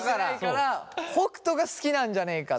北斗が好きなんじゃねえかと。